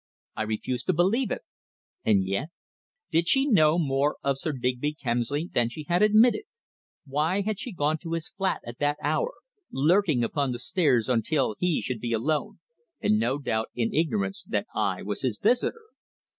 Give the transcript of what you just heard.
I refused to believe it, and yet! Did she know more of Sir Digby Kemsley than she had admitted? Why had she gone to his flat at that hour, lurking upon the stairs until he should be alone, and, no doubt, in ignorance that I was his visitor?